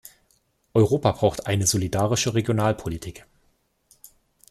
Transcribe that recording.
Europa braucht eine solidarische Regionalpolitik.